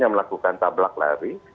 yang melakukan tablak lari